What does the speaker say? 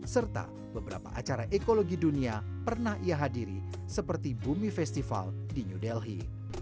serta beberapa acara ekologi dunia pernah ia hadiri seperti bumi festival di new delhi